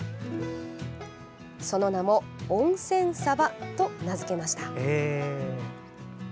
その名も「温泉サバ」と名付けました。